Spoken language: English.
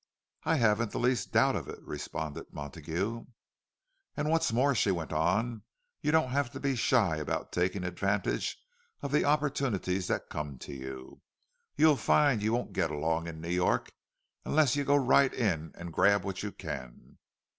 "I haven't the least doubt of it," responded Montague. "And what's more," she went on, "you don't want to be shy about taking advantage of the opportunities that come to you. You'll find you won't get along in New York unless you go right in and grab what you can.